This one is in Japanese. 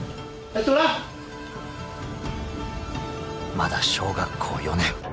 ［まだ小学校４年］